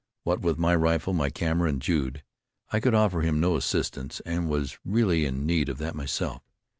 What with my rifle, my camera and Jude, I could offer him no assistance, and was really in need of that myself.